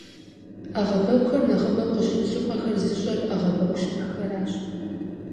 Ӏэгъэбэгухэр нэхъыбэу къыщыкӀ щӏыпӏэхэр зыщӀэр Ӏэгъэбэгу щыпэхэращ.